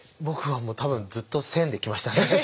僕はもう多分ずっと線で来ましたね